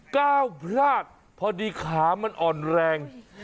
ก้าวพลาดพอดีขามันอ่อนแรง